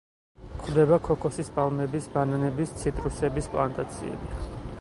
გვხვდება ქოქოსის პალმების, ბანანების, ციტრუსების პლანტაციები.